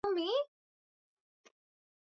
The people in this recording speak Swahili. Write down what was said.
walianzisha shule za dini kwa ajili ya